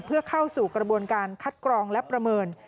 เพื่อเข้าสู่กระบวนการคัดกรองและประเมิน